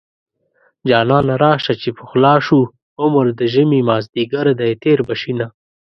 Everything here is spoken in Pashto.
جانانه راشه چې پخلا شو عمر د ژمې مازديګر دی تېر به شينه